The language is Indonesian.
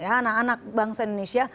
anak anak bangsa indonesia